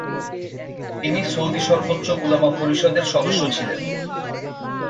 তিনি সৌদি সর্বোচ্চ উলামা পরিষদ-এর সদস্য ছিলেন।